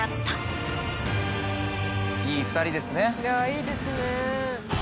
いいですね。